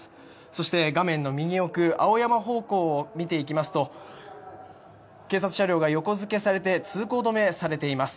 そして、画面の右奥青山方向を見ていきますと警察車両が横付けされて通行止めされています。